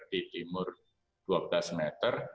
di timur dua belas meter